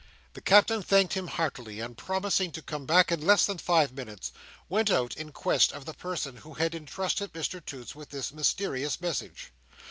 The Captain thanked him heartily, and promising to come back in less than five minutes, went out in quest of the person who had entrusted Mr Toots with this mysterious message.